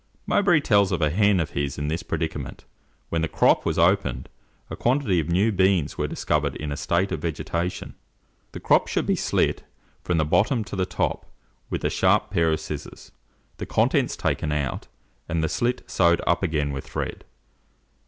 Mowbray tells of a hen of his in this predicament; when the crop was opened, a quantity of new beans were discovered in a state of vegetation. The crop should be slit from the bottom to the top with a sharp pair of scissors, the contents taken out, and the slit sewed up again with line white thread.